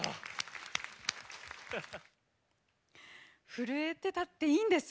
震えてたっていいんです。